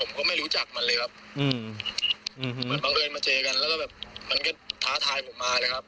ผมก็ไม่รู้จักมันเลยครับอืมเหมือนบังเอิญมาเจอกันแล้วก็แบบมันก็ท้าทายผมมานะครับ